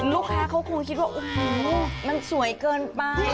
ลูกค้าเขวกูคิดว่ามันสวยเกินไป